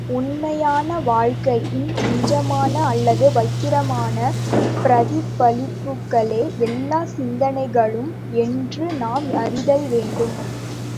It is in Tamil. உண்மையான வாழ்க்கையின் நிஜமான அல்லது வக்கிரமான பிரதிபலிப்புக்களே எல்லாச் சிந்தனைகளும் என்று நாம் அறிதல் வேண்டும்.